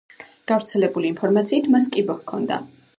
გავრცელებული ინფორმაციით, მას კიბო ჰქონდა.